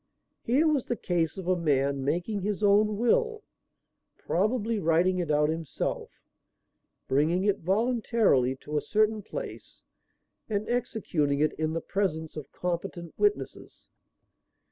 Here was the case of a man making his own will, probably writing it out himself, bringing it voluntarily to a certain place and executing it in the presence of competent witnesses.